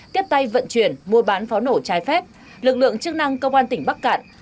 tiếp tay vận chuyển mua bán pháo nổ trái phép lực lượng chức năng công an tỉnh bắc cạn